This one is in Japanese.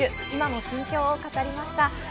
今の心境を語りました。